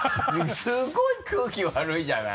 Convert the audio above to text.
すごい空気悪いじゃない。